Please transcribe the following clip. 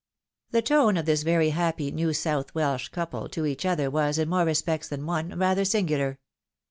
" The tone of this very happy New South Welsh couple to each other was, in more respects than one, rather singular.